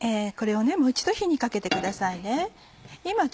これをもう一度火にかけてください。